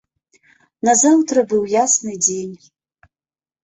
Назаўтра быў ясны дзень.